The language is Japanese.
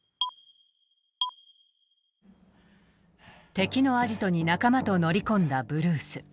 敵のアジトに仲間と乗り込んだブルース。